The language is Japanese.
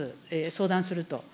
相談すると。